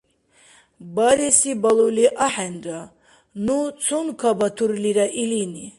Бареси балули ахӀенра. Ну цункабатурлира илини.